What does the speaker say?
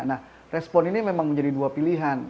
nah respon ini memang menjadi dua pilihan